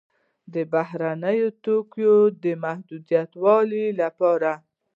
د بهرنیو توکو د محدودولو لپاره.